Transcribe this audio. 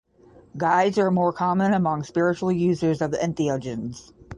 Guides are more common among spiritual users of entheogens.